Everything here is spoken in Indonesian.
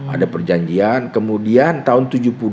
ada perjanjian kemudian tahun seribu sembilan ratus tujuh puluh dua